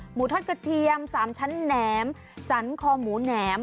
ทอดกระเทียม๓ชั้นแหนมสันคอหมูแหนม